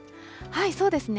そうですね。